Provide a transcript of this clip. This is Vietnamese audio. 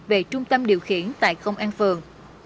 về trung tâm điều khiển tại công an phường